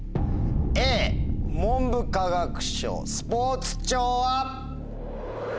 Ａ文部科学省スポーツ庁は。